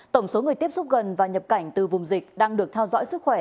tổng số người tiếp xúc gần và nhập cảnh từ vùng dịch đang được theo dõi sức khỏe